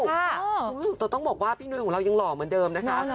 คุณผู้ชมแต่ต้องบอกว่าพี่นุ้ยของเรายังหล่อเหมือนเดิมนะคะ